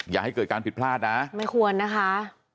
อย่าให้เกิดการผิดพลาดนะไม่ควรนะคะ